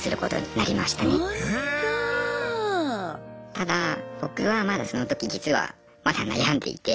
ただ僕はまだその時実はまだ悩んでいて。